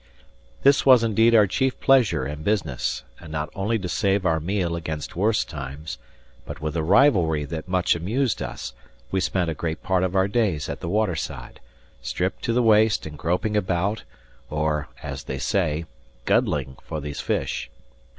This was indeed our chief pleasure and business; and not only to save our meal against worse times, but with a rivalry that much amused us, we spent a great part of our days at the water side, stripped to the waist and groping about or (as they say) guddling for these fish.